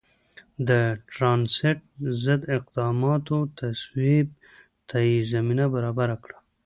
د ټراست ضد اقداماتو تصویب ته یې زمینه برابره کړه.